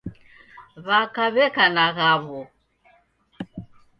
W'aka w'eka na ghawo.